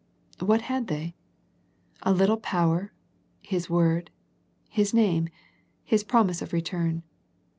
What had they? A little power. His word. His name. His promise of return.